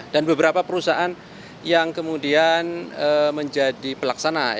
dan beberapa perusahaan yang kemudian menjadi pelaksana